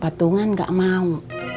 patungan gak mau